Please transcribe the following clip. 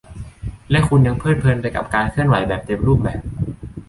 และคุณยังเพลิดเพลินไปกับการเคลื่อนไหวแบบเต็มรูปแบบ